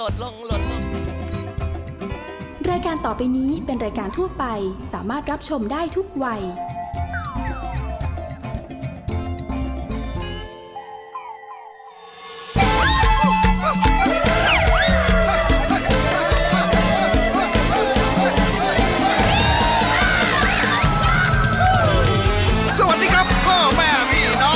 สวัสดีครับพ่อแม่พี่น้อง